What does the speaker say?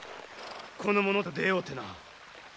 この者と出会うてな。